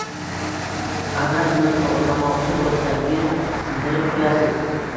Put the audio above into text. Agar uni to‘g‘rilamoqchi bo‘lsangiz, sindirib qo‘yasiz.